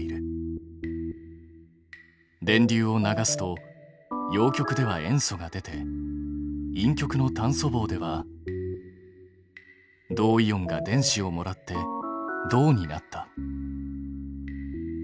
電流を流すと陽極では塩素が出て陰極の炭素棒では銅イオンが電子をもらって銅になった。